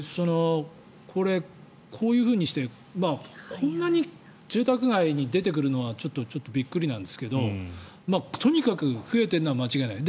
こういうふうにしてこんなに住宅街に出てくるのはちょっとびっくりなんですけどとにかく増えているのは間違いない。